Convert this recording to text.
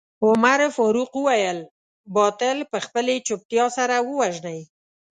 عمر فاروق وويل باطل په خپلې چوپتيا سره ووژنئ.